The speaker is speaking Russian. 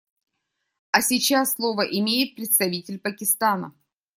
А сейчас слово имеет представитель Пакистана.